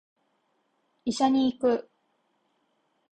医者に行く